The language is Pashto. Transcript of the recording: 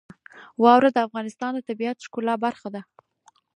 واوره د افغانستان د طبیعت د ښکلا برخه ده.